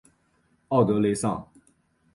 奥德雷桑。